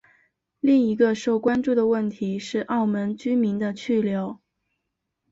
另一个受关注的问题是澳门居民的去留。